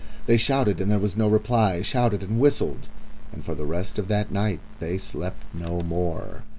They shouted, and there was no reply; shouted and whistled, and for the rest of that night they slept no more.